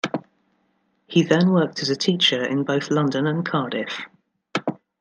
He then worked as a teacher in both London and Cardiff.